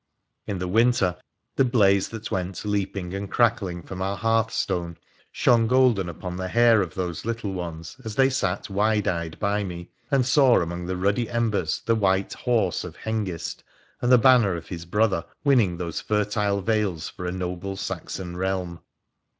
In the winter the blaze that went leaping and crackling from our hearthstone shone golden upon the hair of those little ones as they sat wide eyed by me, and saw among the ruddy embers the white horse of Hengist and the banner of his brother winning these fertile vales for a noble Saxon realm.